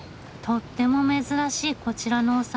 とっても珍しいこちらのお酒。